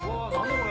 これ。